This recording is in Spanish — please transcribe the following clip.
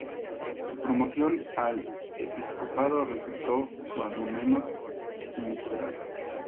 Su promoción al episcopado resultó cuando menos inesperada.